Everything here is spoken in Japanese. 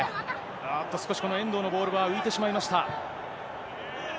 あっと、少しこの遠藤のボールは浮いてしまいました。